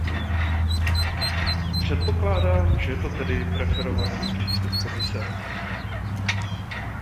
Předpokládám, že to je tedy preferovaný přístup Komise.